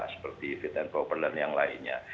seperti fit and proper dan yang lainnya